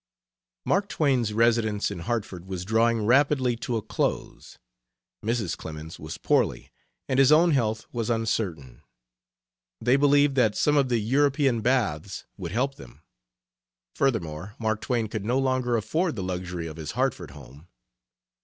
Mark Twain's residence in Hartford was drawing rapidly to a close. Mrs. Clemens was poorly, and his own health was uncertain. They believed that some of the European baths would help them. Furthermore, Mark Twain could no longer afford the luxury of his Hartford home.